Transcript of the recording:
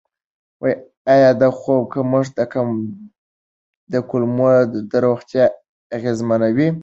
آیا د خوب کمښت د کولمو روغتیا اغېزمنوي؟